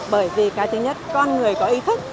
bởi vì cái thứ nhất con người có ý thức